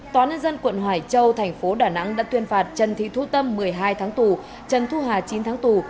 tòa nân dân quận hải châu tp đà nẵng đã tuyên phạt trần thị thu tâm một mươi hai tháng tù trần thu hà chín tháng tù